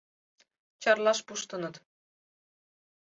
— Чарлаш пуштыныт.